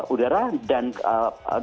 udara dan kawasan